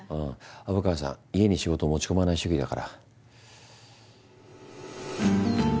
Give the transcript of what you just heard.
虻川さん家に仕事持ち込まない主義だから。